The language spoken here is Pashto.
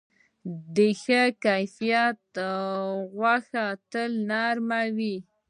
د ښه کیفیت غوښه تل نرم وي.